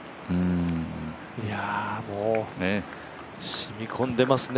染み込んでますね。